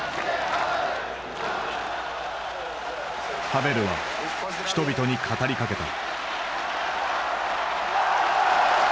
ハヴェルは人々に語りかけた。